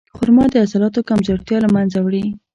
خرما د عضلاتو کمزورتیا له منځه وړي.